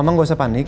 mama gak usah panik